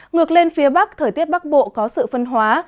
ngược lên phía bắc thời tiết bắc bộ có sự phân hóa